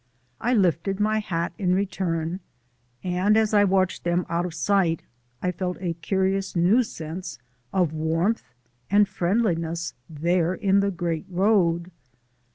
I lifted my hat in return and as I watched them out of sight I felt a curious new sense of warmth and friendliness there in the Great Road.